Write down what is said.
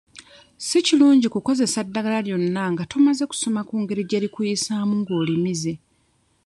Si kirungi kukozesa ddagala lyonna nga tomaze kusoma ku ngeri gye likuyisaamu ng'olimize.